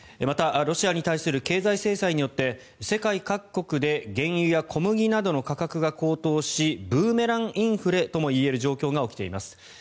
またロシアに対する経済制裁によって世界各国で原油や小麦などの価格が高騰しブーメランインフレともいえる状況が起きています。